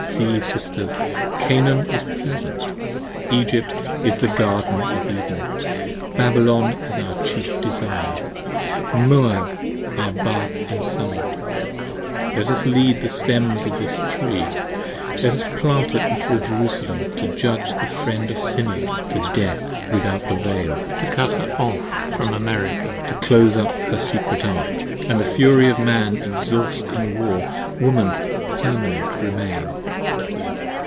30 See Sisters, Canaan is pleasant, Egypt is as the Garden of Eden : Babylon is our chief desire, Moab our bath in summer: Let us lead the stems of this Tree, let us plant it before Jerusalem, To judge the Friend of Sinners to death without the Veil: To cut her off from America, to close up her secret Ark: 35 And the fury of Man exhaust in War, Woman permanent remain.